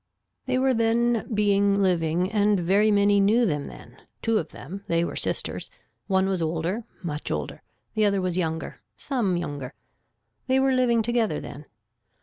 They were then being living and very many knew them then, two of them, they were sisters, one was older, much older, the other was younger, some younger. They were living together then.